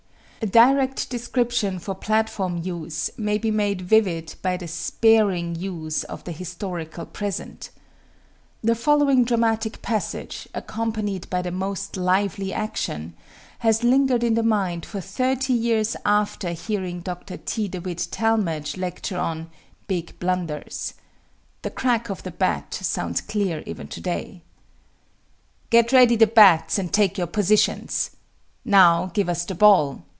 Direct description for platform use may be made vivid by the sparing use of the "historical present." The following dramatic passage, accompanied by the most lively action, has lingered in the mind for thirty years after hearing Dr. T. De Witt Talmage lecture on "Big Blunders." The crack of the bat sounds clear even today: Get ready the bats and take your positions. Now, give us the ball.